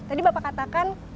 tadi bapak katakan